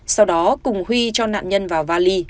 sau đó cùng huy cho nạn nhân vào vali